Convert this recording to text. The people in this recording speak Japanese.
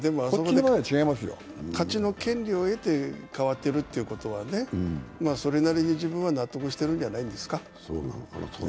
勝ちの権利を得て代わっているということはね、それなりに自分は納得しているんじゃないですか。